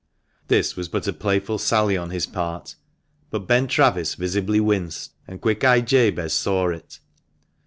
This was but a playful sally on his part, but Ben Travis visibly winced, and quick eyed Jabez saw it.